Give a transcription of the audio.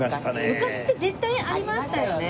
昔って絶対ありましたよね。